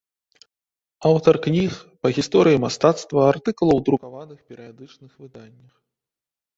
Аўтар кніг па гісторыі мастацтва, артыкулаў ў друкаваных перыядычных выданнях.